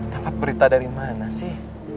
dapat berita dari mana sih